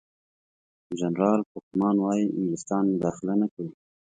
جنرال کوفمان وايي انګلیسان مداخله نه کوي.